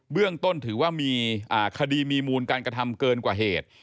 เรื่องต้นถือว่ามีคดีมีมูลการกระทำเกินกว่าเหตุ